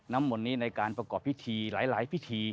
มนต์นี้ในการประกอบพิธีหลายพิธี